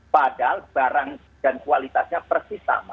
padahal barang dan kualitasnya persis sama